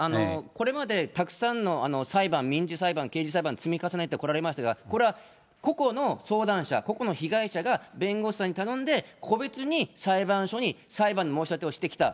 これまでたくさんの裁判、民事裁判、刑事裁判、積み重ねてこられましたが、これは個々の相談者、個々の被害者が、弁護士さんに頼んで、個別に裁判所に裁判の申し立てをしてきた。